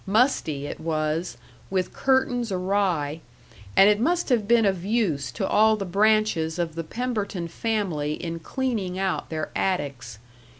Musty it was, with curtains awry, and it must have been of use to all the branches of the Pemberton family in cleaning out their attics.